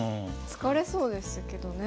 疲れそうですけどね。